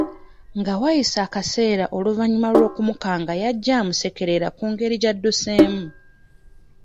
Nga wayise akaseera oluvannyuma lw'okumukanga yajja amusekerera ku ngeri gy'adduseemu.